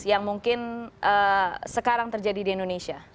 yang mungkin sekarang terjadi di indonesia